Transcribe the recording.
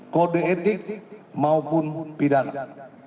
kode etik maupun pidana